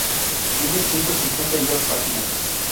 Tiene ciento cincuenta y dos páginas.